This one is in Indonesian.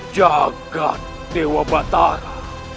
jagad dewa batara